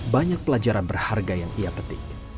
banyak pelajaran berharga yang ia petik